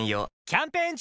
キャンペーン中！